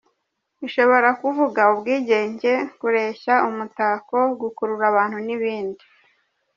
Ishobora kuvuga ubwigenge, kureshya, umutako, gukurura abantu n’ibindi.